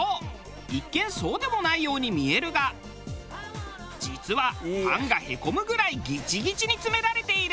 一見そうでもないように見えるが実はパンがへこむぐらいギチギチに詰められている。